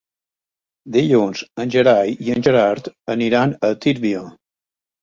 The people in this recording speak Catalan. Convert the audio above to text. Dilluns en Gerai i en Gerard aniran a Tírvia.